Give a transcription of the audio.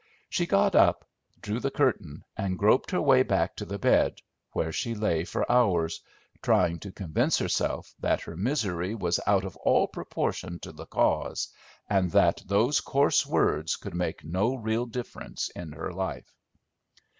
She got up, drew the curtain, and groped her way back to the bed, where she lay for hours, trying to convince herself that her misery was out of all proportion to the cause, and that those coarse words could make no real difference in her life.